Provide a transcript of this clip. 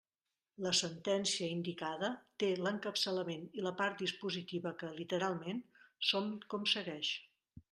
La sentència indicada té l'encapçalament i la part dispositiva que, literalment, són com segueix.